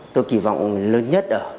tôi kỳ vọng lớn nhất